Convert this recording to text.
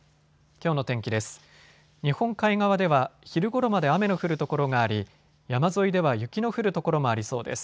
きょうの天気です。